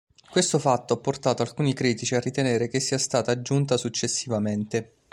Questo fatto ha portato alcuni critici a ritenere che sia stata aggiunta successivamente.